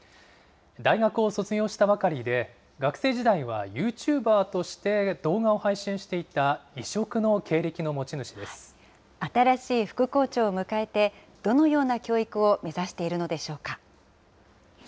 大学を卒業したばかりで、学生時代はユーチューバーとして動画を配信していた異色の経歴の新しい副校長を迎えて、どのような教育を目指しているのでしょうか。